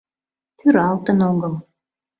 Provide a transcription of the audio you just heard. Пӱралтын огыл...